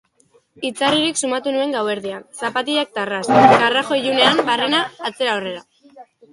Itzarririk sumatu nuen gauerdian, zapatilak tarras, karrajo ilunean barrena atzera-aurrera.